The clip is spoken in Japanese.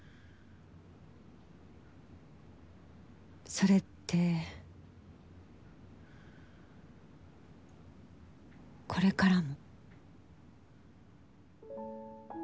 それってこれからも？